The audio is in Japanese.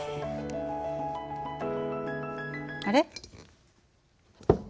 あれ？